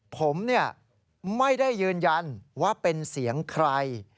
ผมไม่ได้ยืนยันว่าเป็นเสียงใคร